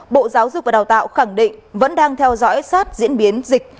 bộ giáo dục và đào tạo khẳng định vẫn đang theo dõi sát diễn biến dịch